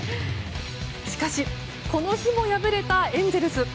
しかしこの日も敗れたエンゼルス。